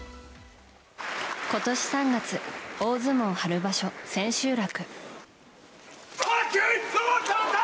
今年３月、大相撲春場所千秋楽。